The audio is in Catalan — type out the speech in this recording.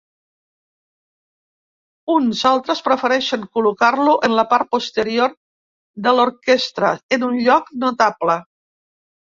Uns altres prefereixen col·locar-lo en la part posterior de l'orquestra, en un lloc notable.